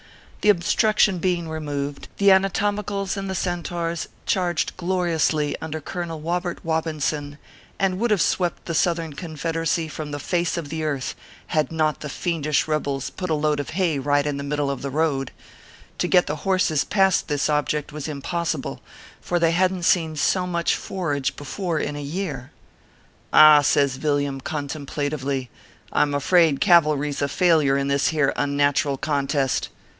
The obstruction being removed, the Anatomicals 15* 346 ORPHEUS C. KERB PAPERS. and the Centaurs charged gloriously under Colonel Wobert Wobinson, and would have swept the South ern Confederacy from the face of the earth, had not the fiendish rebels put a load of hay right in the middle of the road. To get the horses past this ob ject was impossible, for they hadn t seen so much forage before in a year. "Ah !" says Villiam, contemplatively, "I m afraid cavalry s a failure in this here unnatural contest.